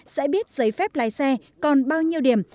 sẽ biết giấy phép lái xe còn bao nhiêu điểm